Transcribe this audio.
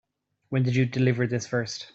When did you deliver this first?